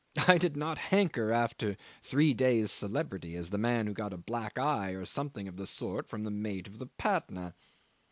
I did not hanker after a three days' celebrity as the man who got a black eye or something of the sort from the mate of the Patna.